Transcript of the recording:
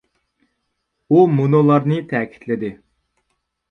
ئۇ مۇنۇلارنى تەكىتلىدى.